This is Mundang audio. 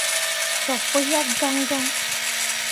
Cok pu yak gãn gãn.